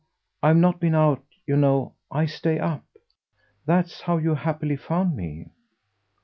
I've not been out, you know. I stay up. That's how you happily found me."